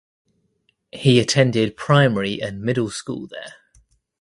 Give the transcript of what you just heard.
He attended primary and middle school there.